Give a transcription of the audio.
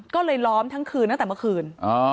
ก็เลยล้อมทั้งคืนตั้งแต่เมื่อคืน